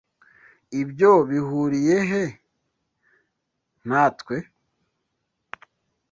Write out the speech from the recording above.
Ibyo bihuriye he natwe?